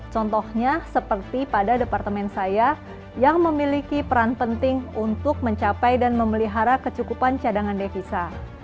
contohnya seperti pada departemen saya yang memiliki peran penting untuk mencapai dan memelihara kecukupan cadangan devisa